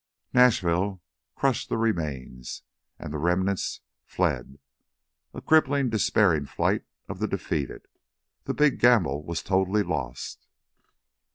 Nashville crushed the remains, and the remnants fled, a crippled despairing flight of the defeated. The big gamble was totally lost.